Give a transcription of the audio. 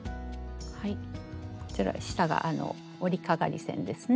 はいこちら下が織りかがり線ですね。